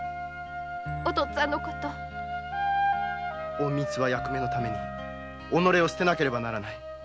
隠密は役目のために己を捨てねばならない。